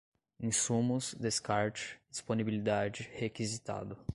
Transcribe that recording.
insumos, descarte, disponibilidade, requisitado